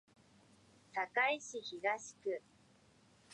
堺市東区